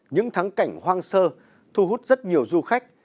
những thắng cảnh hoang sơ thu hút rất nhiều du khách